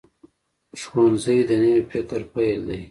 ښوونځی د نوي فکر پیل دی